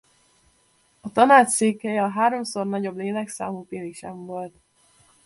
A tanács székhelye a háromszor nagyobb lélekszámú Pilisen volt.